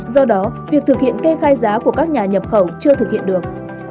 do đó việc thực hiện kê khai giá của các nhà nhập khẩu chưa thực hiện được